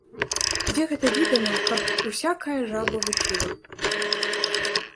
Дзе гэта відана, каб усякая жаба вучыла!